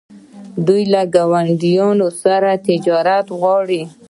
دوی له ګاونډیانو سره تجارت غواړي.